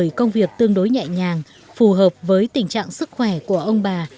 bởi công việc tương đối nhẹ nhàng phù hợp với tình trạng sức khỏe của ông bà